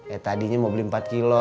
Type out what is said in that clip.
eh tadinya mau beli empat kilo